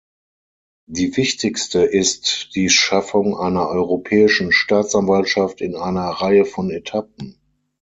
Die wichtigste ist die Schaffung einer Europäischen Staatsanwaltschaft in einer Reihe von Etappen.